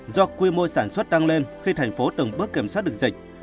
do quy mô sản xuất tăng lên khi thành phố từng bước kiểm soát được dịch